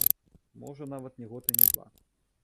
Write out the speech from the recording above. Можа, нават не год і не два.